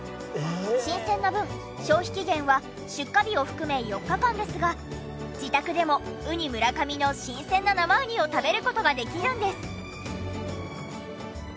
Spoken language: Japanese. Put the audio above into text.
新鮮な分消費期限は出荷日を含め４日間ですが自宅でもうにむらかみの新鮮な生うにを食べる事ができるんです！